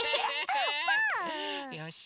よし！